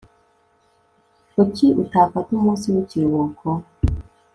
kuki utafata umunsi w'ikiruhuko